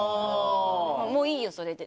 もういいよ、それでって。